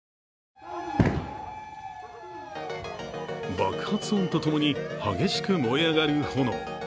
爆発音とともに激しく燃え上がる炎。